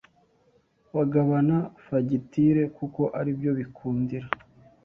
bagabana fagitire kuko aribyo bikundira.